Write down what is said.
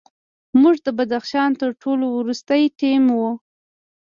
موږ د بدخشان تر ټولو وروستی ټیم وو.